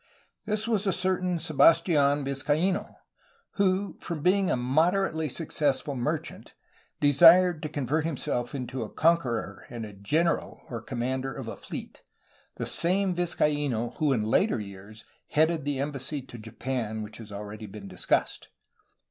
This was a certain Sebastidn Vizcaino, who from being a moderately successful merchant desired to convert himself into a con queror and a ''general," or commander, of a fleet, the same Vizcaino who in later years headed the embassy to Japan which has already been discussed.